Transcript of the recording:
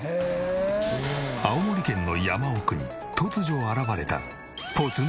青森県の山奥に突如現れた。